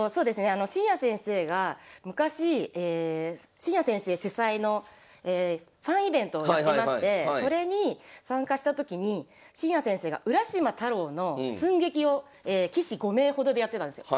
紳哉先生が昔紳哉先生主催のファンイベントをやってましてそれに参加した時に紳哉先生が「浦島太郎」の寸劇を棋士５名ほどでやってたんですよ。